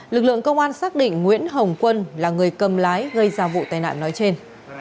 lực lượng công an xác định nguyễn hồng quân là người cầm lái gây ra vụ tai nạn nói trên